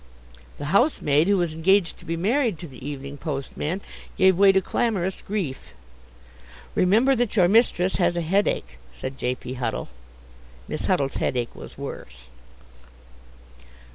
The housemaid, who was engaged to be married to the evening postman, gave way to clamorous grief. "Remember that your mistress has a headache," said J. P. Huddle. (Miss Huddle's headache was worse.)